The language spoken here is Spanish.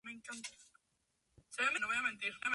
Los juegos se disputaron en la ciudad de Pinsk.